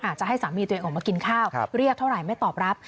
อาจจะให้สามีตัวเองออกมากินข้าวเรียกเท่าไหร่ไม่ตอบรับ